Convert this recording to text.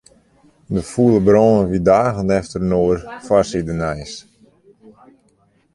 De fûle brân wie dagen efterinoar foarsidenijs.